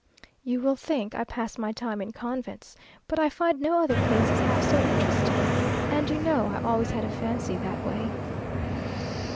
You will think I pass my time in convents, but I find no other places half so interesting, and you know I always had a fancy that way.